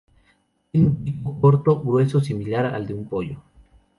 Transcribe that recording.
Tiene un pico corto, grueso similar al de un pollo.